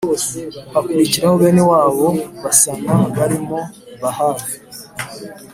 Hakurikiraho bene wabo basana barimo Bavayi